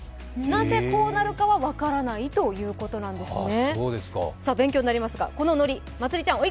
なぜこうなるかは分からないということなんですね。